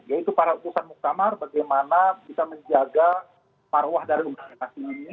yaitu para usaha muqtamar bagaimana bisa menjaga paruah dari umatnya